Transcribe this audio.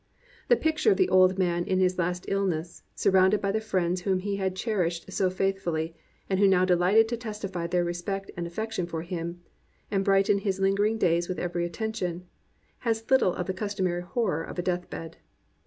The picture of the old man in his last illness, sur rounded by the friends whom he had cherished so faithfully, and who now dehghted to testify their respect and affection for him, and brighten his lin gering days with every attention, has Httle of the customary horror of a death bed.